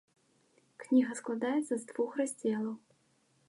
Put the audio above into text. Кніга складаецца з двух раздзелаў.